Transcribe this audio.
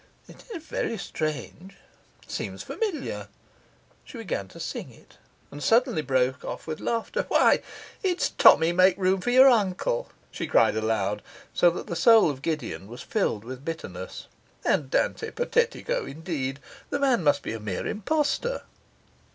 It is very strange, it seems familiar.' She began to sing it, and suddenly broke off with laughter. 'Why, it's "Tommy make room for your Uncle!"' she cried aloud, so that the soul of Gideon was filled with bitterness. 'Andante patetico, indeed! The man must be a mere impostor.